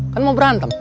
kan mau berantem